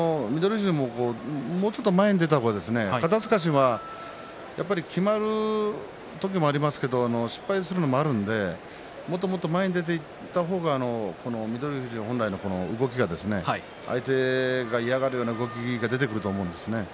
富士も、もうちょっと前に出た方が肩すかしはきまる時もありますけど失敗することもありますからもっともっと前に出ていった方が翠富士本来の動き相手が嫌がるような動きが出てくると思うんですよね。